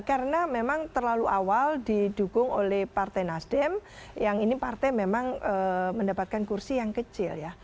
karena memang terlalu awal didukung oleh partai nasdem yang ini partai memang mendapatkan kursi yang kecil ya